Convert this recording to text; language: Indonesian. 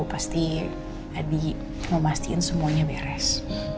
pasti adi mau mastiin semuanya beres